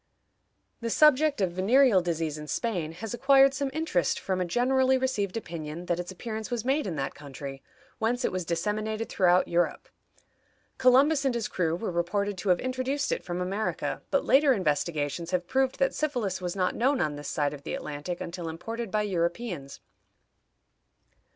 The subject of venereal disease in Spain has acquired some interest from a generally received opinion that its appearance was made in that country, whence it was disseminated throughout Europe. Columbus and his crew were reported to have introduced it from America, but later investigations have proved that syphilis was not known on this side of the Atlantic until imported by Europeans.